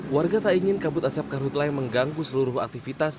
warga tak ingin kabut asap karhutlah yang mengganggu seluruh aktivitas